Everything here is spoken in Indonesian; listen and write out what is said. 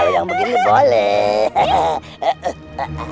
kalau yang begini boleh